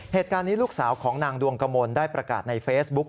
เหตุการณ์นี้ลูกสาวของนางดวงกมลได้ประกาศในเฟซบุ๊ก